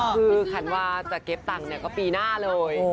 คือขันวาจะเก็บตังค์ก็ปีหน้าเลย